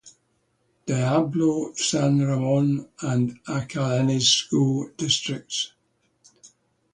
Diablo, San Ramon, and Acalanes School Districts.